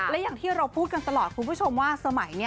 และอย่างที่เราพูดกันตลอดคุณผู้ชมว่าสมัยนี้